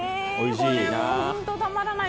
これも本当たまらない。